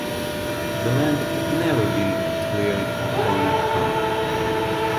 The land had never been cleared or lived on.